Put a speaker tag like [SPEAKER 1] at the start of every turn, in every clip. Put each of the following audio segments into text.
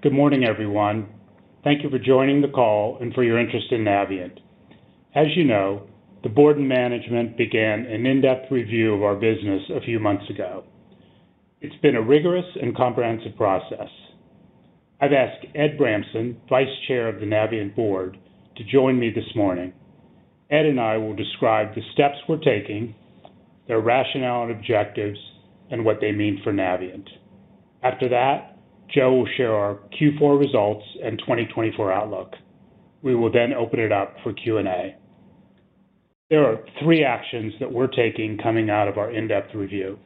[SPEAKER 1] Good morning, everyone. Thank you for joining the call and for your interest in Navient. As you know, the board and management began an in-depth review of our business a few months ago. It's been a rigorous and comprehensive process. I've asked Ed Bramson, Vice Chair of the Navient Board, to join me this morning. Ed and I will describe the steps we're taking, their rationale and objectives, and what they mean for Navient. After that, Joe will share our Q4 results and 2024 outlook. We will then open it up for Q&A. There are three actions that we're taking coming out of our in-depth review: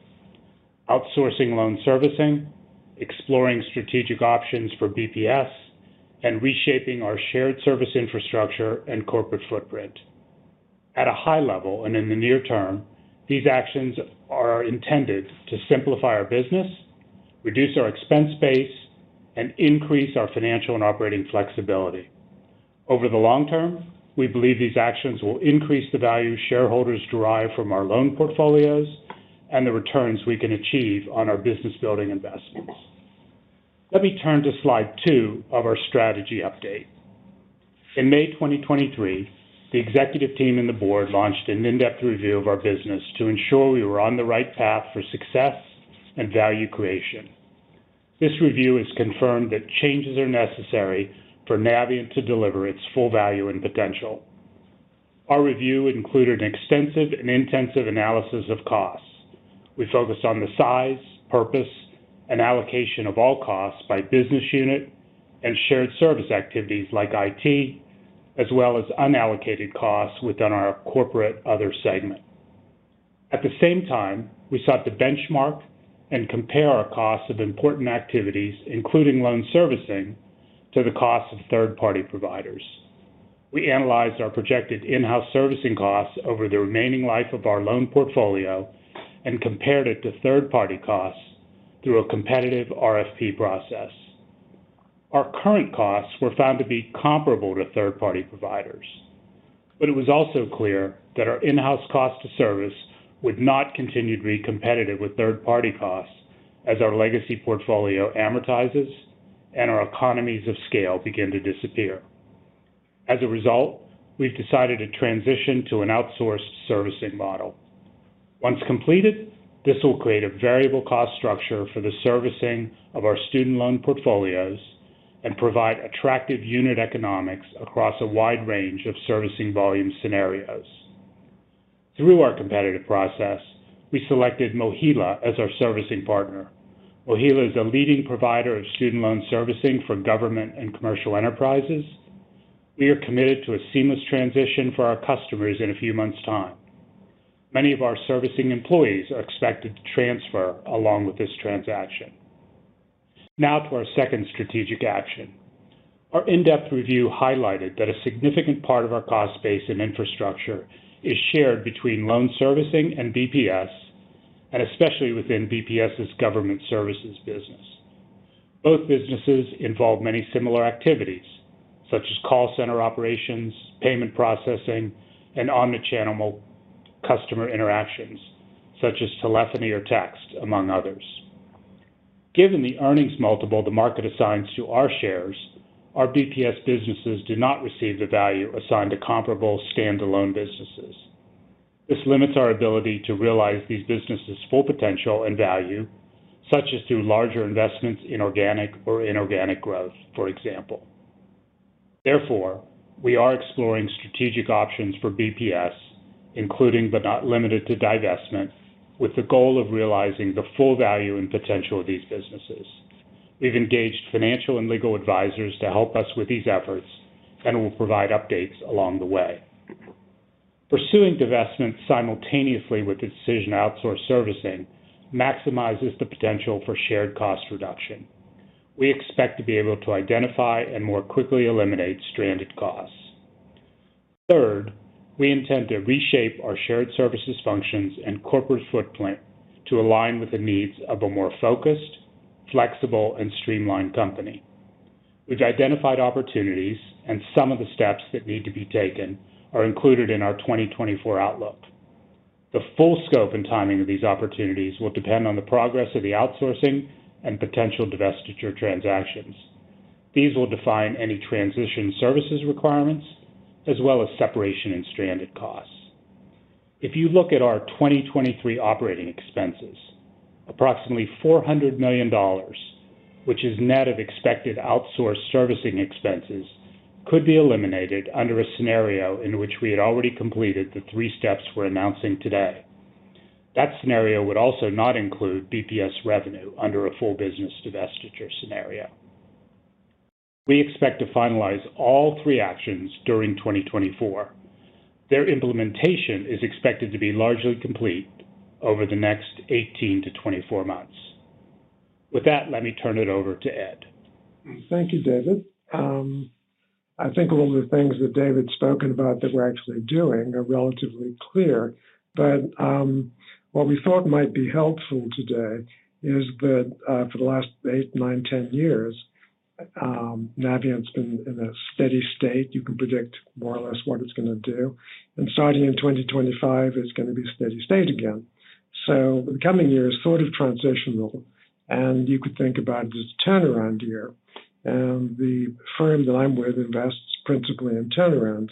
[SPEAKER 1] outsourcing loan servicing, exploring strategic options for BPS, and reshaping our shared service infrastructure and corporate footprint. At a high level, and in the near term, these actions are intended to simplify our business, reduce our expense base, and increase our financial and operating flexibility. Over the long term, we believe these actions will increase the value shareholders derive from our loan portfolios and the returns we can achieve on our business-building investments. Let me turn to slide two of our strategy update. In May 2023, the executive team and the board launched an in-depth review of our business to ensure we were on the right path for success and value creation. This review has confirmed that changes are necessary for Navient to deliver its full value and potential. Our review included an extensive and intensive analysis of costs. We focused on the size, purpose, and allocation of all costs by business unit and shared service activities like IT, as well as unallocated costs within our corporate other segment. At the same time, we sought to benchmark and compare our costs of important activities, including loan servicing, to the cost of third-party providers. We analyzed our projected in-house servicing costs over the remaining life of our loan portfolio and compared it to third-party costs through a competitive RFP process. Our current costs were found to be comparable to third-party providers, but it was also clear that our in-house cost to service would not continue to be competitive with third-party costs as our legacy portfolio amortizes and our economies of scale begin to disappear. As a result, we've decided to transition to an outsourced servicing model. Once completed, this will create a variable cost structure for the servicing of our student loan portfolios and provide attractive unit economics across a wide range of servicing volume scenarios. Through our competitive process, we selected MOHELA as our servicing partner. MOHELA is a leading provider of student loan servicing for government and commercial enterprises. We are committed to a seamless transition for our customers in a few months' time. Many of our servicing employees are expected to transfer along with this transaction. Now to our second strategic action. Our in-depth review highlighted that a significant part of our cost base and infrastructure is shared between loan servicing and BPS, and especially within BPS's government services business. Both businesses involve many similar activities, such as call center operations, payment processing, and omni-channel customer interactions, such as telephony or text, among others. Given the earnings multiple the market assigns to our shares, our BPS businesses do not receive the value assigned to comparable standalone businesses. This limits our ability to realize these businesses' full potential and value, such as through larger investments in organic or inorganic growth, for example. Therefore, we are exploring strategic options for BPS, including but not limited to divestment, with the goal of realizing the full value and potential of these businesses. We've engaged financial and legal advisors to help us with these efforts, and we'll provide updates along the way. Pursuing divestment simultaneously with the decision to outsource servicing maximizes the potential for shared cost reduction. We expect to be able to identify and more quickly eliminate stranded costs. Third, we intend to reshape our shared services functions and corporate footprint to align with the needs of a more focused, flexible, and streamlined company. We've identified opportunities, and some of the steps that need to be taken are included in our 2024 outlook. The full scope and timing of these opportunities will depend on the progress of the outsourcing and potential divestiture transactions. These will define any transition services requirements as well as separation and stranded costs. If you look at our 2023 operating expenses, approximately $400 million, which is net of expected outsourced servicing expenses, could be eliminated under a scenario in which we had already completed the three steps we're announcing today. That scenario would also not include BPS revenue under a full business divestiture scenario. We expect to finalize all three actions during 2024. Their implementation is expected to be largely complete over the next 18-24 months. With that, let me turn it over to Ed.
[SPEAKER 2] Thank you, David. I think all of the things that David's spoken about that we're actually doing are relatively clear. But what we thought might be helpful today is that for the last eight, nine, 10 years Navient's been in a steady state. You can predict more or less what it's gonna do, and starting in 2025, it's gonna be steady state again. So the coming year is sort of transitional, and you could think about it as a turnaround year. And the firm that I'm with invests principally in turnarounds,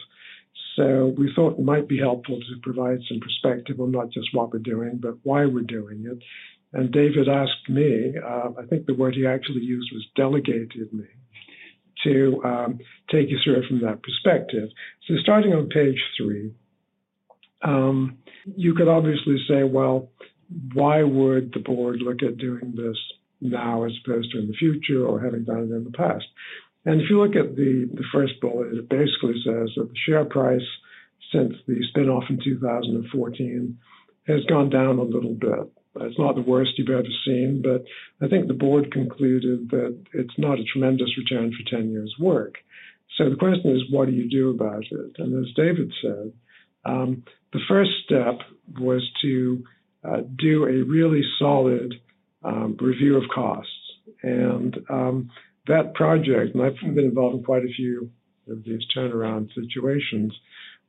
[SPEAKER 2] so we thought it might be helpful to provide some perspective on not just what we're doing, but why we're doing it. And David asked me, I think the word he actually used was delegated me, to take you through it from that perspective. So starting on page three, you could obviously say, "Well, why would the board look at doing this now as opposed to in the future or having done it in the past?" And if you look at the first bullet, it basically says that the share price since the spin-off in 2014 has gone down a little bit. It's not the worst you've ever seen, but I think the board concluded that it's not a tremendous return for 10 years' work. So, the question is, what do you do about it? And as David said, the first step was to do a really solid review of costs. And that project, and I've been involved in quite a few of these turnaround situations,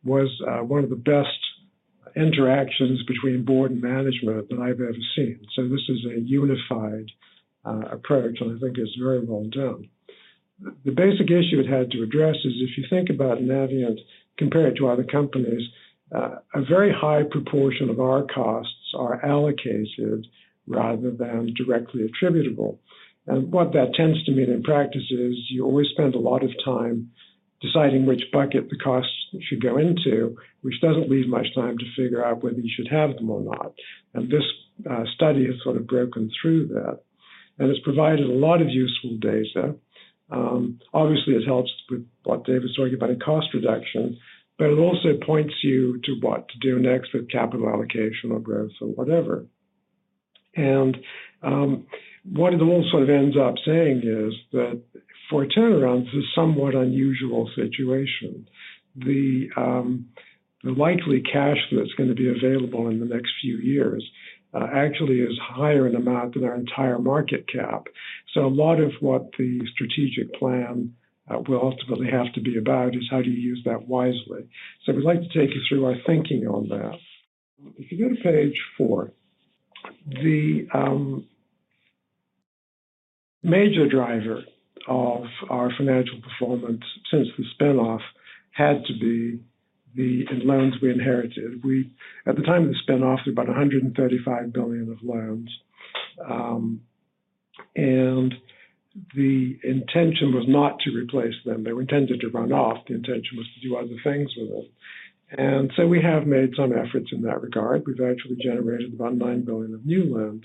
[SPEAKER 2] was one of the best interactions between board and management that I've ever seen. So this is a unified approach, and I think it's very well done. The basic issue it had to address is, if you think about Navient compared to other companies, a very high proportion of our costs are allocated rather than directly attributable. And what that tends to mean in practice is you always spend a lot of time deciding which bucket the costs should go into, which doesn't leave much time to figure out whether you should have them or not. And this study has sort of broken through that, and it's provided a lot of useful data. Obviously, it helps with what David's talking about in cost reduction, but it also points you to what to do next with capital allocation or growth or whatever. And what it all sort of ends up saying is that for turnarounds, it's a somewhat unusual situation. The likely cash that's gonna be available in the next few years actually is higher in amount than our entire market cap. So, a lot of what the strategic plan will ultimately have to be about is how do you use that wisely. So, we'd like to take you through our thinking on that. If you go to page four, the major driver of our financial performance since the spin-off had to be the loans we inherited. At the time of the spin-off, about $135 billion of loans, and the intention was not to replace them. They were intended to run off. The intention was to do other things with it. And so we have made some efforts in that regard. We've actually generated about $9 billion of new loans.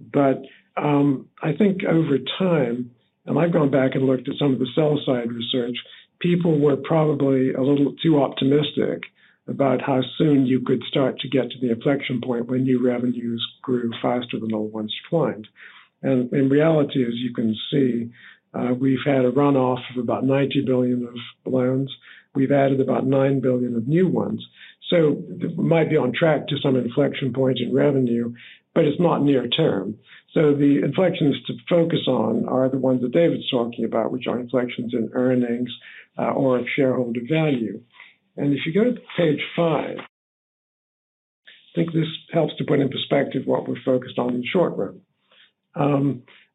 [SPEAKER 2] But I think over time, and I've gone back and looked at some of the sell-side research, people were probably a little too optimistic about how soon you could start to get to the inflection point where new revenues grew faster than the old ones declined. And in reality, as you can see, we've had a runoff of about $90 billion of loans. We've added about $9 billion of new ones, so might be on track to some inflection points in revenue, but it's not near term. So, the inflections to focus on are the ones that David's talking about, which are inflections in earnings, or in shareholder value. And if you go to page five, I think this helps to put in perspective what we're focused on in the short run.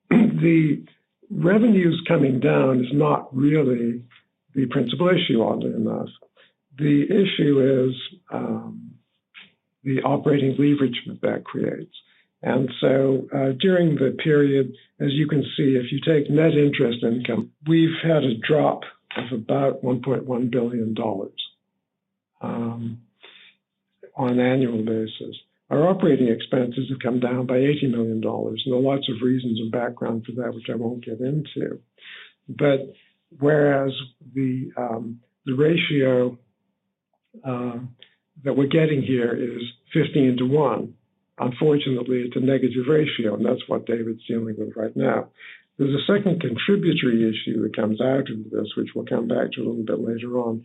[SPEAKER 2] The revenues coming down is not really the principal issue on this. The issue is, the operating leverage that creates. And so, during the period, as you can see, if you take net interest income, we've had a drop of about $1.1 billion on an annual basis. Our operating expenses have come down by $80 million, and there are lots of reasons and background for that, which I won't get into. But whereas the ratio that we're getting here is 15 to one, unfortunately, it's a negative ratio, and that's what David's dealing with right now. There's a second contributory issue that comes out of this, which we'll come back to a little bit later on,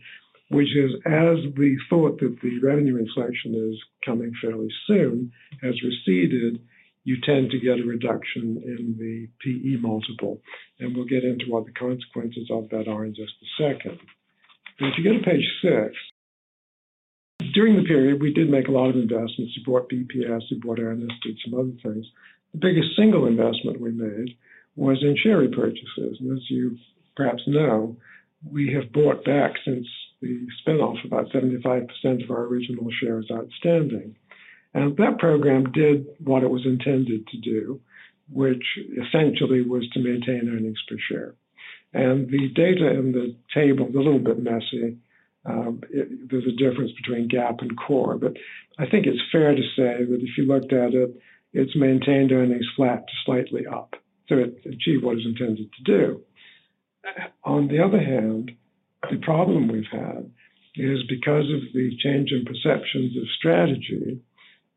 [SPEAKER 2] which is, as we thought that the revenue inflection is coming fairly soon, has receded, you tend to get a reduction in the PE multiple, and we'll get into what the consequences of that are in just a second. If you go to page six, during the period, we did make a lot of investments. We bought BPS, we bought Earnest, did some other things. The biggest single investment we made was in share repurchases, and as you perhaps know, we have bought back since the spin-off, about 75% of our original shares outstanding. And that program did what it was intended to do, which essentially was to maintain earnings per share. And the data in the table is a little bit messy. There's a difference between GAAP and core, but I think it's fair to say that if you looked at it, it's maintained earnings flat to slightly up, so it achieved what it was intended to do. On the other hand, the problem we've had is because of the change in perceptions of strategy,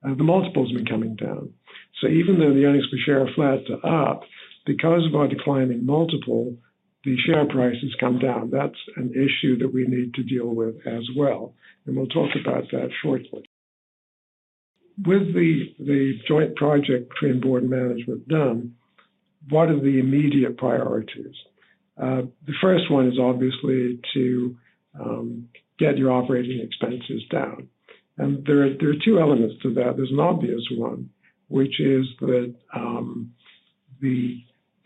[SPEAKER 2] the multiple's been coming down. So even though the earnings per share are flat to up, because of our declining multiple, the share price has come down. That's an issue that we need to deal with as well, and we'll talk about that shortly. With the joint project between board and management done, what are the immediate priorities? The first one is obviously to get your operating expenses down. And there are two elements to that. There's an obvious one, which is that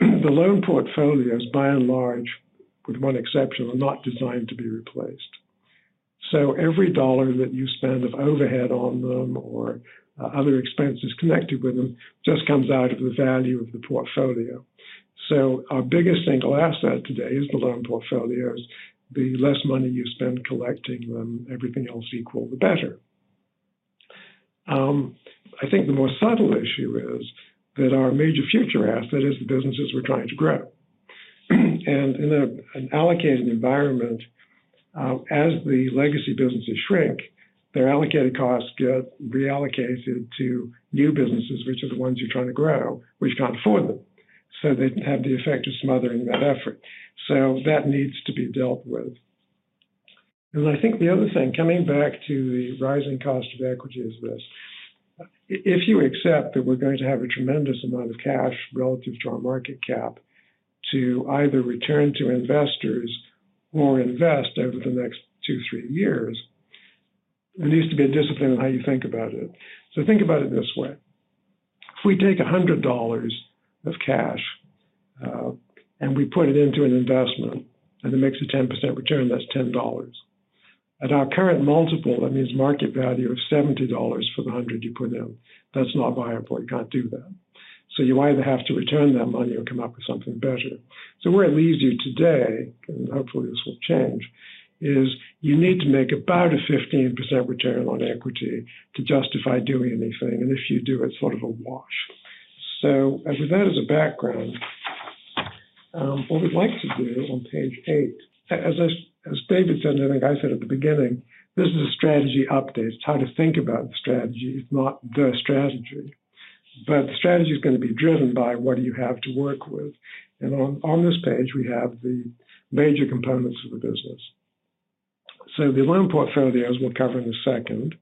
[SPEAKER 2] the loan portfolios, by and large, with one exception, are not designed to be replaced. So every dollar that you spend of overhead on them or other expenses connected with them, just comes out of the value of the portfolio. So our biggest single asset today is the loan portfolios. The less money you spend collecting them, everything else equal, the better. I think the more subtle issue is that our major future asset is the businesses we're trying to grow. And in an allocated environment, as the legacy businesses shrink, their allocated costs get reallocated to new businesses, which are the ones you're trying to grow, which can't afford them. So that needs to be dealt with. I think the other thing, coming back to the rising cost of equity is this: if you accept that we're going to have a tremendous amount of cash relative to our market cap, to either return to investors or invest over the next 2-3 years, there needs to be a discipline on how you think about it. So, think about it this way, if we take $100 of cash and we put it into an investment, and it makes a 10% return, that's $10. At our current multiple, that means market value of $70 for the $100 you put in. That's not a buyer point. You can't do that. So you either have to return that money or come up with something better. So where it leaves you today, and hopefully this will change, is you need to make about a 15% return on equity to justify doing anything, and if you do, it's sort of a wash. So with that as a background, what we'd like to do on page eight as I, as David said, and like I said at the beginning, this is a strategy update. It's how to think about the strategy, it's not the strategy. But the strategy is gonna be driven by what you have to work with. And on this page, we have the major components of the business. So the loan portfolios we'll cover in a second.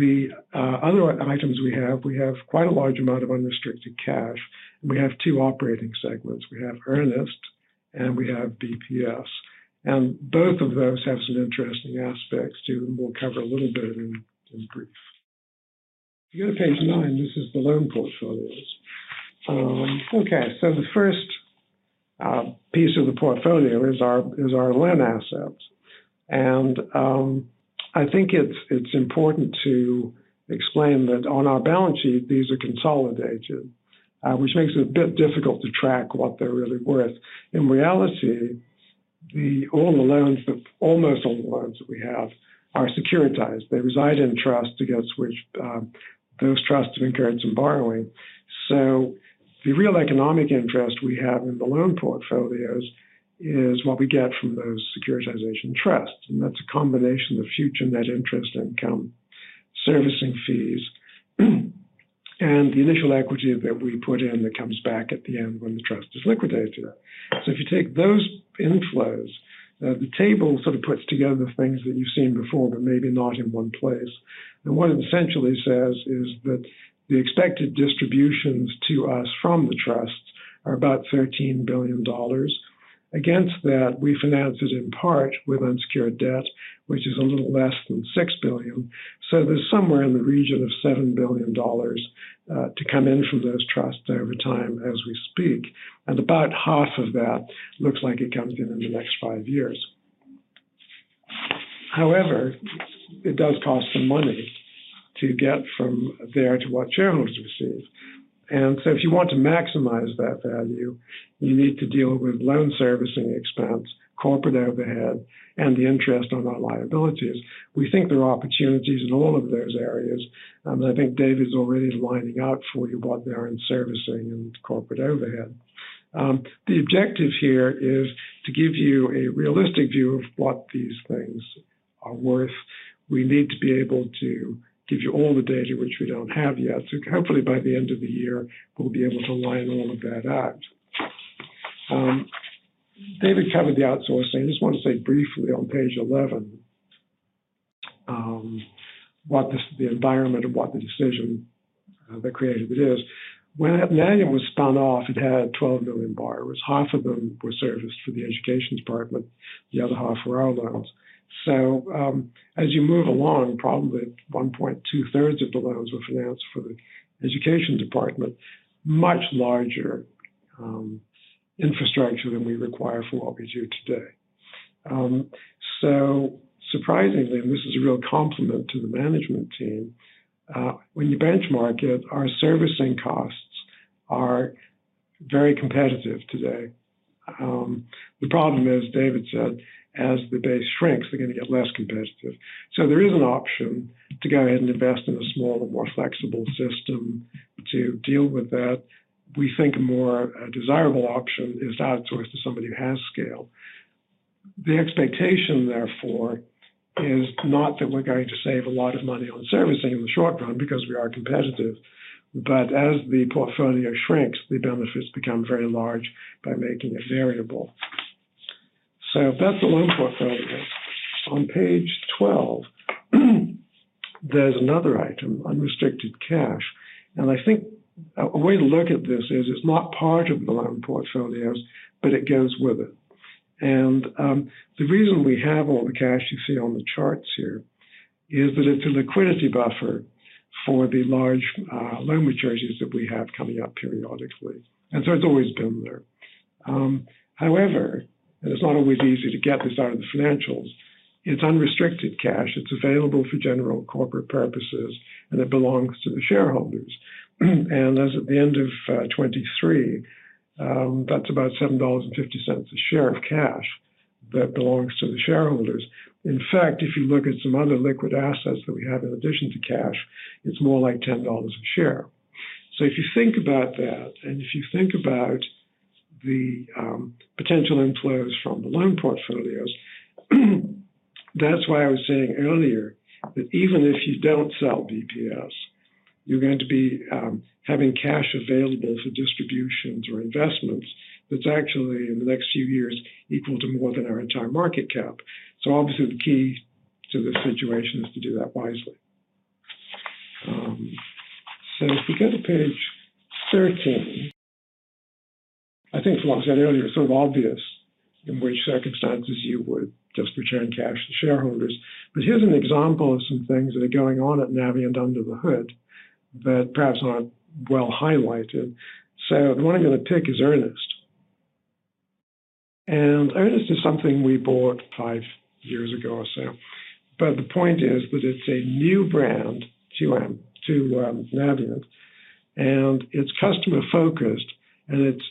[SPEAKER 2] Other items we have, we have quite a large amount of unrestricted cash, and we have two operating segments. We have Earnest and we have BPS, and both of those have some interesting aspects to them. We'll cover a little bit in brief. If you go to page nine, this is the loan portfolios. Okay, so the first piece of the portfolio is our loan assets. And, I think it's important to explain that on our balance sheet, these are consolidated, which makes it a bit difficult to track what they're really worth. In reality, all the loans, almost all the loans that we have are securitized. They reside in trust accounts which, those trusts have incurred some borrowing. So the real economic interest we have in the loan portfolios is what we get from those securitization trusts, and that's a combination of future net interest income, servicing fees, and the initial equity that we put in that comes back at the end when the trust is liquidated. So if you take those inflows, the table sort of puts together things that you've seen before, but maybe not in one place. And what it essentially says is that the expected distributions to us from the trusts are about $13 billion. Against that, we finance it in part with unsecured debt, which is a little less than $6 billion. So there's somewhere in the region of $7 billion, to come in from those trusts over time as we speak, and about half of that looks like it comes in in the next five years. However, it does cost some money to get from there to what shareholders receive. And so if you want to maximize that value, you need to deal with loan servicing expense, corporate overhead, and the interest on our liabilities. We think there are opportunities in all of those areas, and I think David's already laying out for you what they are in servicing and corporate overhead. The objective here is to give you a realistic view of what these things are worth. We need to be able to give you all the data, which we don't have yet. So hopefully by the end of the year, we'll be able to lay all of that out. David covered the outsourcing. I just want to say briefly on page eleven, what this, the environment and what the decision that created it is. When Navient was spun off, it had 12 million borrowers. Half of them were serviced through the Education Department, the other half were our loans. So, as you move along, probably one and two-thirds of the loans were financed for the Education Department. Much larger infrastructure than we require for what we do today. So surprisingly, and this is a real compliment to the management team, when you benchmark it, our servicing costs are very competitive today. The problem is, David said, as the base shrinks, they're gonna get less competitive. So there is an option to go ahead and invest in a smaller, more flexible system to deal with that. We think a more desirable option is to outsource to somebody who has scale. The expectation, therefore, is not that we're going to save a lot of money on servicing in the short run because we are competitive, but as the portfolio shrinks, the benefits become very large by making it variable. So that's the loan portfolio. On page 12, there's another item, unrestricted cash, and I think a way to look at this is it's not part of the loan portfolios, but it goes with it. And the reason we have all the cash you see on the charts here is that it's a liquidity buffer for the large, loan maturities that we have coming up periodically, and so it's always been there. However, it's not always easy to get this out of the financials. It's unrestricted cash. It's available for general corporate purposes, and it belongs to the shareholders. As at the end of 2023, that's about $7.50 a share of cash that belongs to the shareholders. In fact, if you look at some other liquid assets that we have in addition to cash, it's more like $10 a share. So if you think about that, and if you think about the potential inflows from the loan portfolios, that's why I was saying earlier that even if you don't sell BPS, you're going to be having cash available for distributions or investments that's actually, in the next few years, equal to more than our entire market cap. So obviously, the key to this situation is to do that wisely. So, if you go to page 13, I think from what I said earlier, it's sort of obvious in which circumstances you would just return cash to shareholders. But here's an example of some things that are going on at Navient under the hood that perhaps aren't well highlighted. So, the one I'm going to pick is Earnest. And Earnest is something we bought five years ago or so, but the point is that it's a new brand to Navient, and it's customer-focused, and it's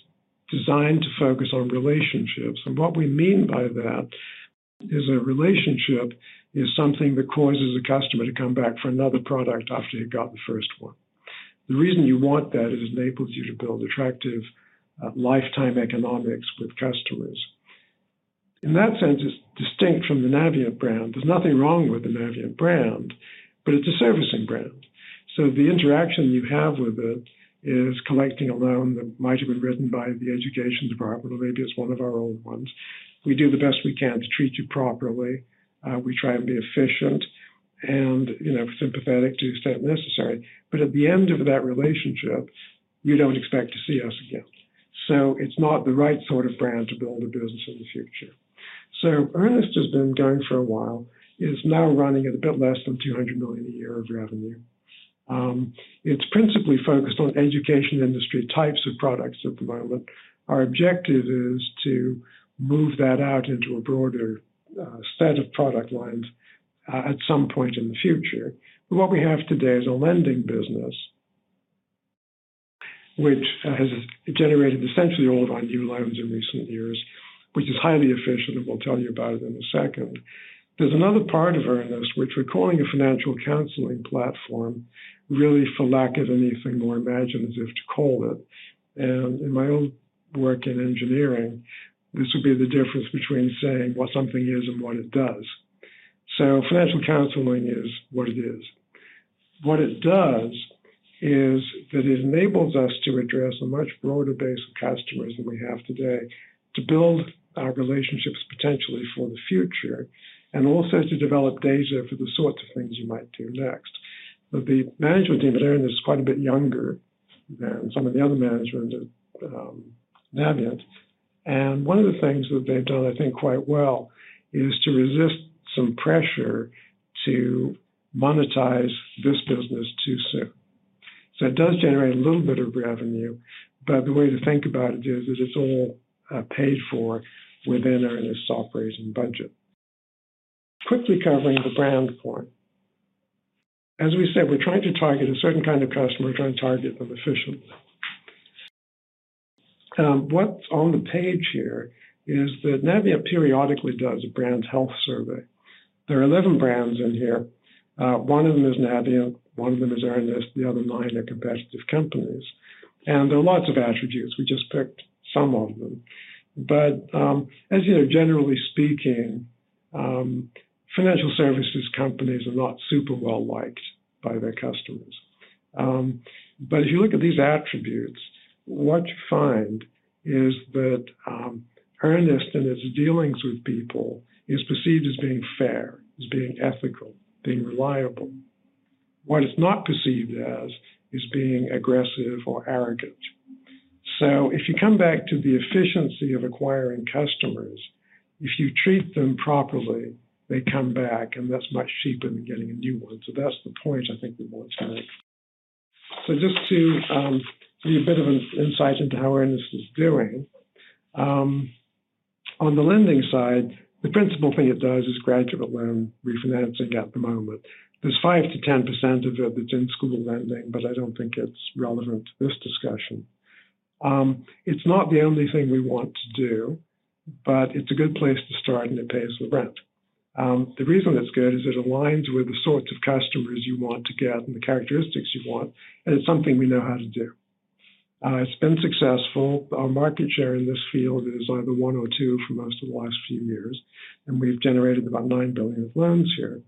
[SPEAKER 2] designed to focus on relationships. And what we mean by that is a relationship is something that causes a customer to come back for another product after they've got the first one. The reason you want that is it enables you to build attractive lifetime economics with customers. In that sense, it's distinct from the Navient brand. There's nothing wrong with the Navient brand, but it's a servicing brand. So the interaction you have with it is collecting a loan that might have been written by the Education Department, or maybe it's one of our old ones. We do the best we can to treat you properly. We try and be efficient and, you know, sympathetic to the extent necessary. But at the end of that relationship, you don't expect to see us again. So it's not the right sort of brand to build a business in the future. So Earnest has been going for a while. It is now running at a bit less than $200 million a year of revenue. It's principally focused on education industry types of products at the moment. Our objective is to move that out into a broader set of product lines at some point in the future. But what we have today is a lending business, which has generated essentially all of our new loans in recent years, which is highly efficient, and we'll tell you about it in a second. There's another part of Earnest, which we're calling a financial counseling platform, really for lack of anything more imaginative to call it. And in my own work in engineering, this would be the difference between saying what something is and what it does. So financial counseling is what it is. What it does is that it enables us to address a much broader base of customers than we have today, to build our relationships potentially for the future, and also to develop data for the sorts of things you might do next. But the management team at Earnest is quite a bit younger than some of the other management at Navient, and one of the things that they've done, I think, quite well, is to resist some pressure to monetize this business too soon. So it does generate a little bit of revenue, but the way to think about it is it's all paid for within Earnest's operations budget. Quickly covering the brand point. As we said, we're trying to target a certain kind of customer. We're trying to target them efficiently. What's on the page here is that Navient periodically does a brand health survey. There are 11 brands in here. One of them is Navient, one of them is Earnest, the other nine are competitive companies. And there are lots of attributes. We just picked some of them. But, as you know, generally speaking, financial services companies are not super well-liked by their customers. But if you look at these attributes, what you find is that, Earnest, in its dealings with people, is perceived as being fair, as being ethical, being reliable. What it's not perceived as is being aggressive or arrogant. So if you come back to the efficiency of acquiring customers, if you treat them properly, they come back, and that's much cheaper than getting a new one. So that's the point I think we want to make. So just to give you a bit of an insight into how Earnest is doing. On the lending side, the principal thing it does is graduate loan refinancing at the moment. There's 5%-10% of it that's in-school lending, but I don't think it's relevant to this discussion. It's not the only thing we want to do, but it's a good place to start, and it pays the rent. The reason it's good is it aligns with the sorts of customers you want to get and the characteristics you want, and it's something we know how to do. It's been successful. Our market share in this field is either one or two for most of the last few years, and we've generated about $9 billion of loans here.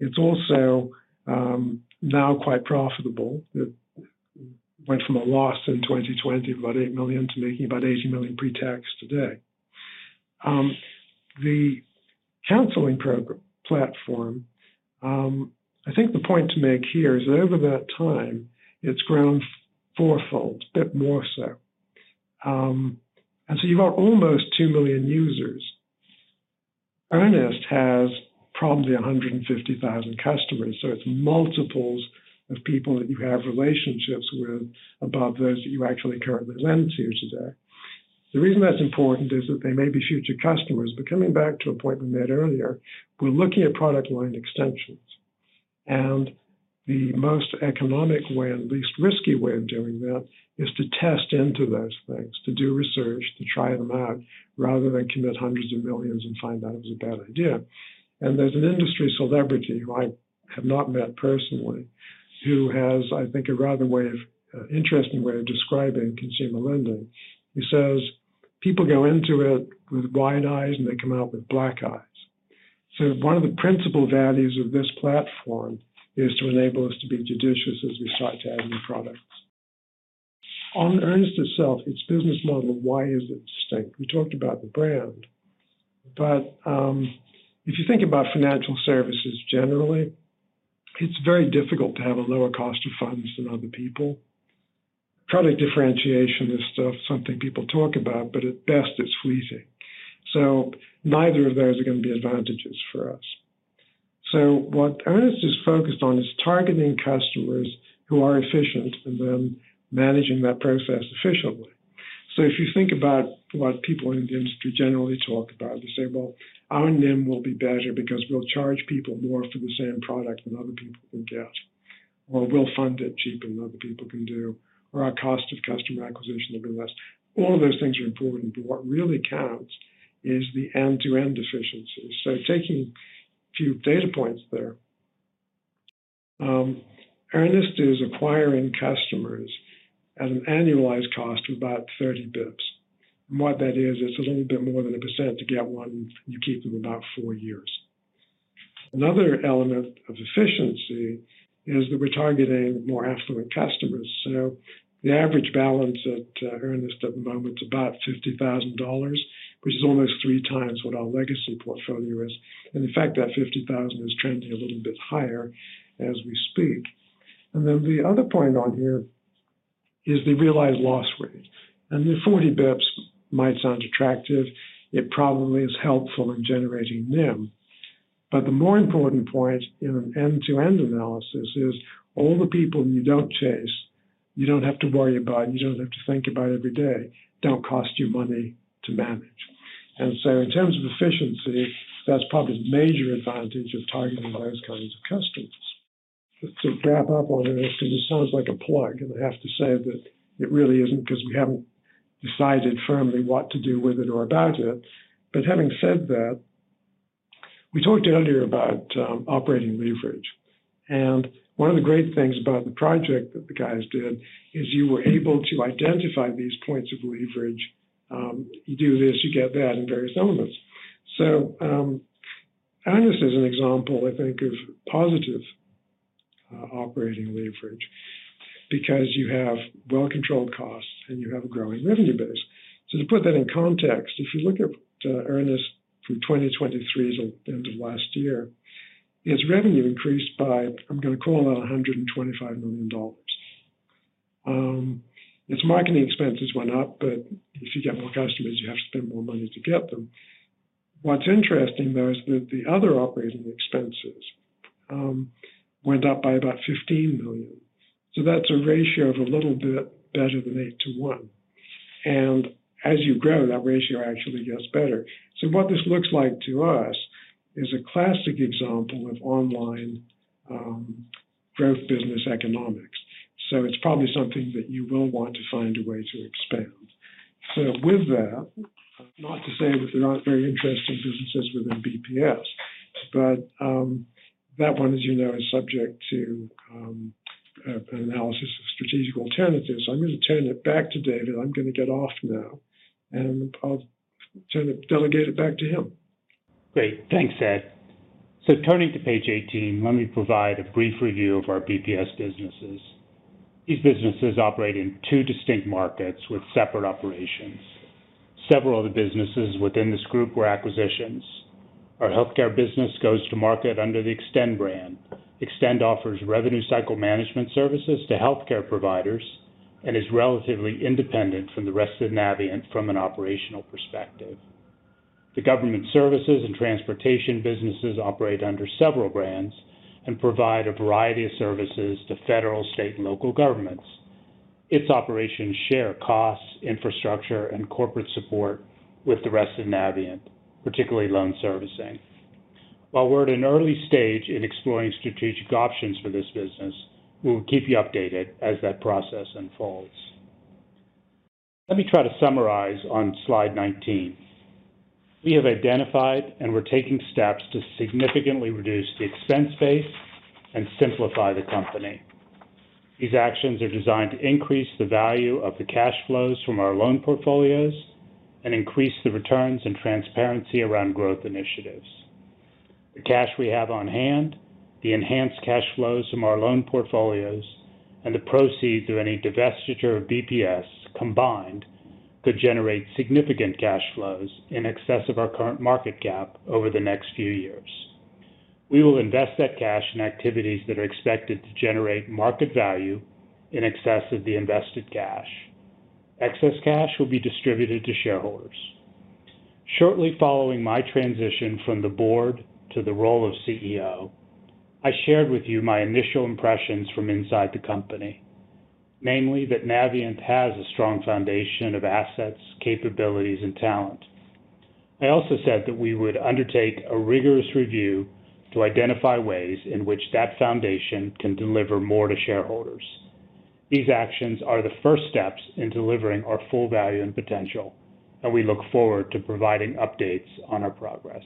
[SPEAKER 2] It's also now quite profitable. It went from a loss in 2020 of about $8 million to making about $80 million pre-tax today. The counseling program platform, I think the point to make here is that over that time, it's grown fourfold, a bit more so. And so, you've got almost two million users. Earnest has probably 150,000 customers, so it's multiples of people that you have relationships with above those that you actually currently lend to today. The reason that's important is that they may be future customers, but coming back to a point we made earlier, we're looking at product line extensions. And the most economic way, and least risky way of doing that, is to test into those things, to do research, to try them out, rather than commit hundreds of millions and find out it was a bad idea. And there's an industry celebrity, who I have not met personally, who has, I think, an interesting way of describing consumer lending. He says, "People go into it with wide eyes, and they come out with black eyes." So one of the principal values of this platform is to enable us to be judicious as we start to add new products. On Earnest itself, its business model, why is it distinct? We talked about the brand, but if you think about financial services, generally, it's very difficult to have a lower cost of funds than other people. Product differentiation is stuff, something people talk about, but at best, it's squeezing. So neither of those are going to be advantages for us. So, what Earnest is focused on is targeting customers who are efficient and then managing that process efficiently. So if you think about what people in the industry generally talk about, they say, "Well, our NIM will be better because we'll charge people more for the same product than other people can get," or, "We'll fund it cheaper than other people can do," or, "Our cost of customer acquisition will be less." All of those things are important, but what really counts is the end-to-end efficiencies. So, taking a few data points there. Earnest is acquiring customers at an annualized cost of about 30 bps. And what that is, it's a little bit more than a percent to get one, you keep them about four years. Another element of efficiency is that we're targeting more affluent customers. So, the average balance at Earnest at the moment is about $50,000, which is almost three times what our legacy portfolio is. In fact, that 50,000 is trending a little bit higher as we speak. Then the other point on here is the realized loss rate, and the 40 bps might sound attractive. It probably is helpful in generating NIM, but the more important point in an end-to-end analysis is all the people you don't chase, you don't have to worry about, you don't have to think about every day, don't cost you money to manage. So in terms of efficiency, that's probably the major advantage of targeting those kinds of customers. To wrap up on this, because this sounds like a plug, and I have to say that it really isn't because we haven't decided firmly what to do with it or about it. But having said that, we talked earlier about operating leverage, and one of the great things about the project that the guys did is you were able to identify these points of leverage. You do this, you get that, and various elements. So, Earnest is an example, I think, of positive operating leverage because you have well-controlled costs and you have a growing revenue base. So, to put that in context, if you look at Earnest from 2023 to the end of last year, its revenue increased by, I'm going to call it $125 million. Its marketing expenses went up, but if you get more customers, you have to spend more money to get them. What's interesting, though, is that the other operating expenses went up by about $15 million. So that's a ratio of a little bit better than 8-1, and as you grow, that ratio actually gets better. So, what this looks like to us is a classic example of online growth business economics. So, it's probably something that you will want to find a way to expand. So, with that, not to say that there are not very interesting businesses within BPS, but that one, as you know, is subject to an analysis of strategic alternatives. I'm going to turn it back to David. I'm going to get off now, and I'll turn it, delegate it back to him.
[SPEAKER 1] Great. Thanks, Ed. So, turning to page 18, let me provide a brief review of our BPS businesses. These businesses operate in two distinct markets with separate operations. Several of the businesses within this group were acquisitions. Our healthcare business goes to market under the Xtend brand. Xtend offers revenue cycle management services to healthcare providers and is relatively independent from the rest of Navient from an operational perspective. The government services and transportation businesses operate under several brands and provide a variety of services to federal, state, and local governments. Its operations share costs, infrastructure, and corporate support with the rest of Navient, particularly loan servicing. While we're at an early stage in exploring strategic options for this business, we will keep you updated as that process unfolds. Let me try to summarize on slide 19. We have identified and we're taking steps to significantly reduce the expense base and simplify the company. These actions are designed to increase the value of the cash flows from our loan portfolios and increase the returns and transparency around growth initiatives. The cash we have on hand, the enhanced cash flows from our loan portfolios, and the proceeds of any divestiture of BPS combined, could generate significant cash flows in excess of our current market cap over the next few years. We will invest that cash in activities that are expected to generate market value in excess of the invested cash. Excess cash will be distributed to shareholders. Shortly following my transition from the board to the role of CEO, I shared with you my initial impressions from inside the company, namely, that Navient has a strong foundation of assets, capabilities, and talent. I also said that we would undertake a rigorous review to identify ways in which that foundation can deliver more to shareholders. These actions are the first steps in delivering our full value and potential, and we look forward to providing updates on our progress.